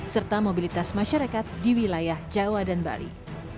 serta mobilitas masyarakat di wilayah jawa dan bali